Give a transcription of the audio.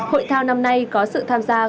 hội thao năm nay có sự tham gia